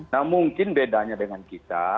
nah mungkin bedanya dengan kita